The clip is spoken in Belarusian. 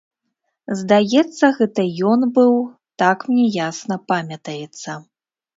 Здаецца, гэта ён быў, так мне ясна памятаецца.